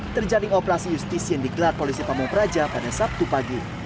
terjadi operasi justisi yang digelar polisi pamung praja pada sabtu pagi